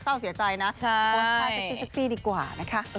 เศร้าเสียใจนะคนสาวเซ็กซี่ดีกว่านะคะ